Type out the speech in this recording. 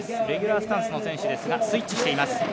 レギュラースタンスの選手ですがスイッチしています。